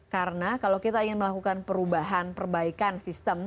karena kalau kita ingin melakukan perubahan perbaikan sistem